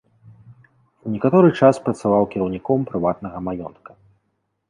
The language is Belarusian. Некаторы час працаваў кіраўніком прыватнага маёнтка.